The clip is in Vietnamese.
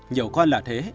nhiều con là thế